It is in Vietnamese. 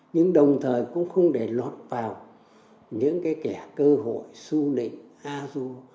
nhưng đồng thời cũng không để lót vào những cái kẻ cơ hội su lĩnh a du